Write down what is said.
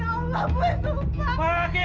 ayah aku mencuri perhiasanku